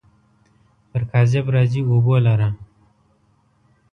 پر کاذب راځي اوبو لره.